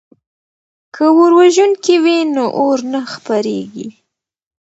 که اوروژونکي وي نو اور نه خپریږي.